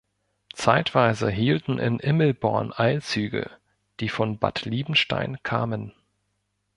Zeitweise hielten in Immelborn Eilzüge, die von Bad Liebenstein kamen.